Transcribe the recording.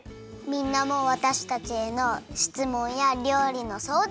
みんなもわたしたちへのしつもんやりょうりのそうだん。